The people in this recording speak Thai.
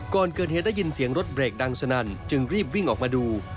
ก่อนเกิดเหตุได้ยินเสียงรถเบรกดังสนั่นจึงรีบวิ่งออกมาดู